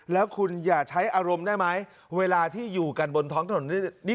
แล้วคุณอย่าใช้อารมณ์ได้ไหมเวลาที่อยู่กันบนท้องถนน